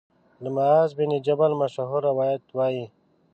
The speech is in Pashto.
له معاذ بن جبل مشهور روایت وايي